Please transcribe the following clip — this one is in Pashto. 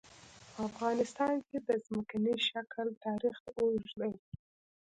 په افغانستان کې د ځمکنی شکل تاریخ اوږد دی.